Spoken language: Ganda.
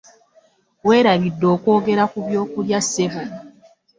Weerabidde okwogera ku byokulya ssebo.